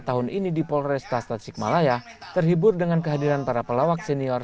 tahun ini di polresta tasikmalaya terhibur dengan kehadiran para pelawak senior